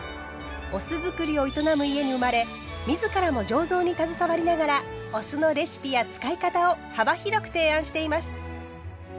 お酢造りを営む家に生まれ自らも醸造に携わりながらお酢のレシピや使い方を幅広く提案しています。